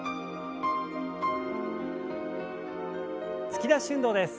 突き出し運動です。